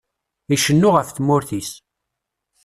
Icennu ɣef tmurt-is.